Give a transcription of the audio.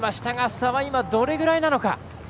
差はどれぐらいなのか。